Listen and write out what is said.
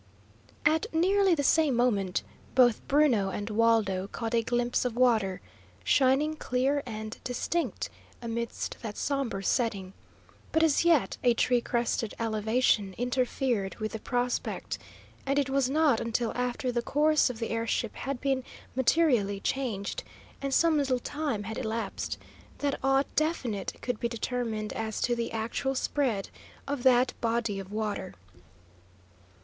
At nearly the same moment both Bruno and Waldo caught a glimpse of water, shining clear and distinct amidst that sombre setting; but as yet a tree crested elevation interfered with the prospect, and it was not until after the course of the air ship had been materially changed, and some little time had elapsed, that aught definite could be determined as to the actual spread of that body of water.